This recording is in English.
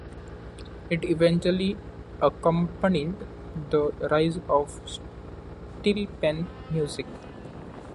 It eventually accompanied the rise of steelpan music.